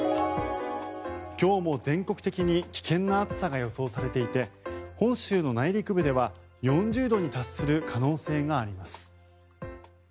今日も全国的に危険な暑さが予想されていて本州の内陸部では４０度に達する可能性があります。